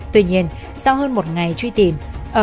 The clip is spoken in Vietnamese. tuy nhiên sau hơn một ngày truy tìm ở